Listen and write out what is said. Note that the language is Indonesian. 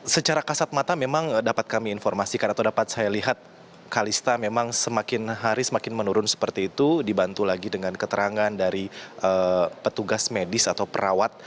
secara kasat mata memang dapat kami informasikan atau dapat saya lihat kalista memang semakin hari semakin menurun seperti itu dibantu lagi dengan keterangan dari petugas medis atau perawat